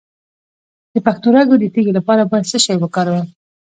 د پښتورګو د تیږې لپاره باید څه شی وکاروم؟